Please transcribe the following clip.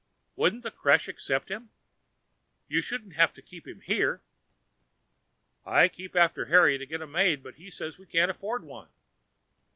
Wouldn't the creche accept him? You shouldn't have to keep him here." "I keep after Harry to get a maid, but he says we can't afford one."